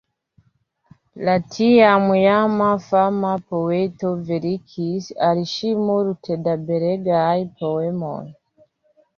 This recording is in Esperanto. La tiam jam fama poeto verkis al ŝi multe da belegaj poemoj.